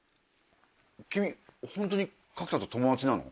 君ホントに角田と友達なの？